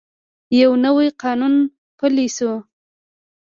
یو نوی قانون پلی شو.